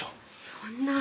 そんな。